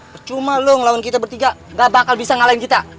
bercuma lu ngelawan kita bertiga gak bakal bisa ngalahin kita